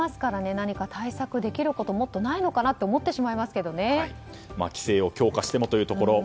何か対策できることもっとないのかなと規制を強化してもというところ。